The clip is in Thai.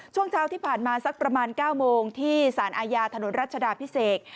ช่วงเช้าที่ผ่านมาสักประมาณ๙โมงที่สารอาญาถนนรัชดาพิเศษ